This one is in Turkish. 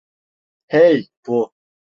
Hey, bu…